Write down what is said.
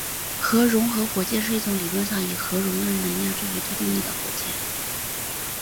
核融合火箭是一种理论上以核融合能量作为推动力的火箭。